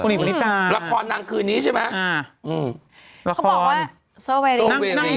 หลักธรรมนางคืนนี้ใช่ไหม